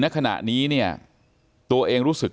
ขณะนี้เนี่ยตัวเองรู้สึก